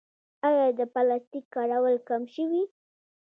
آیا د پلاستیک کارول کم شوي؟